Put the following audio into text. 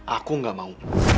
aku gak mau